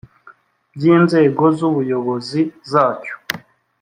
by inzego z ubuyobozi zacyo